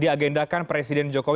diagendakan presiden jokowi